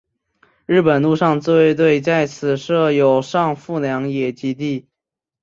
日本陆上自卫队在此设有上富良野基地。